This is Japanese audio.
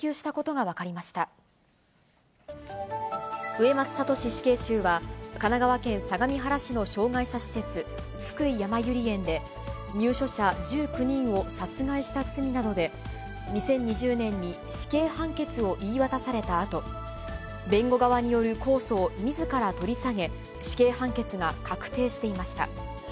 植松聖死刑囚は、神奈川県相模原市の障がい者施設、津久井やまゆり園で、入所者１９人を殺害した罪などで、２０２０年に死刑判決を言い渡されたあと、弁護側による控訴をみずから取り下げ、死刑判決が確定していました。